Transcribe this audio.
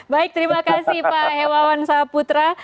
baik terima kasih pak hemawan saputra